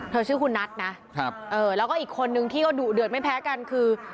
ชื่อคุณนัทนะแล้วก็อีกคนนึงที่ก็ดุเดือดไม่แพ้กันคือ